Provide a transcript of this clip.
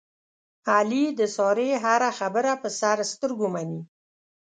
علي د سارې هره خبره په سر سترګو مني.